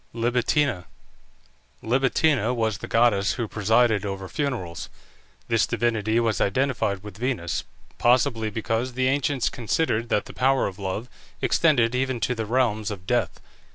LIBITINA. Libitina was the goddess who presided over funerals. This divinity was identified with Venus, possibly because the ancients considered that the power of love extended even to the realms of death.